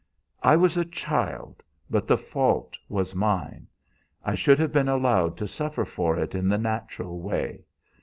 "I was a child; but the fault was mine. I should have been allowed to suffer for it in the natural way.